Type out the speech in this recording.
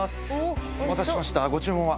お待たせしましたご注文は？